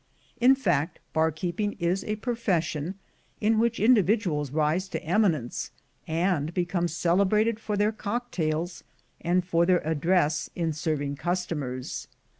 In fact, bar keeping is a profes sion, in w^hich individuals rise to eminence, and be come celebrated for their cocktails, and for their ad dress in serving customers.